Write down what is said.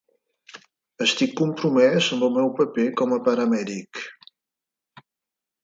Estic compromès amb el meu paper com a paramèdic.